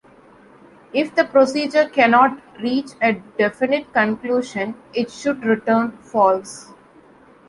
If the procedure cannot reach a definite conclusion, it should return "false".